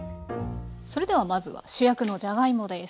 それではまずは主役のじゃがいもです。